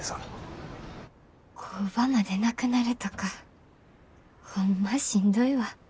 工場までなくなるとかホンマしんどいわ。